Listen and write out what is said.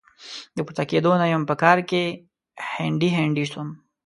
د پورته کېدو نه يم؛ په کار کې هنډي هنډي سوم.